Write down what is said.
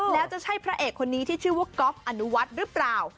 แล้วจะใช่พระเอกคนนี้ที่ชื่อว่าก๊อฟอนุวัฒน์หรือเปล่า